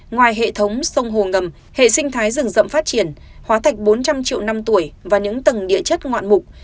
ngoài hệ thống sông hồ ngầm hệ sinh thái rừng rậm phát triển hóa thạch bốn trăm linh triệu năm tuổi và những tầng địa chất ngoạn mục